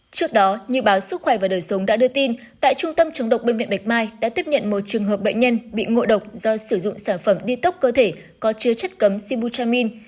trước đó như báo sức khỏe và đời sống đã đưa tin tại trung tâm chống độc bệnh viện bạch mai đã tiếp nhận một trường hợp bệnh nhân bị ngộ độc do sử dụng sản phẩm đi tốc cơ thể có chứa chất cấm sibu chamin